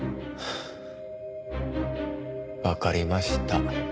わかりました。